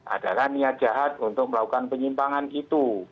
adalah niat jahat untuk melakukan penyimpangan itu